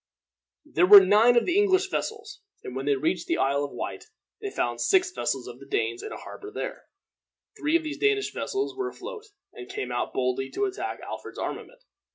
There were nine of the English vessels, and when they reached the Isle of Wight they found six vessels of the Danes in a harbor there. Three of these Danish vessels were afloat, and came out boldly to attack Alfred's armament.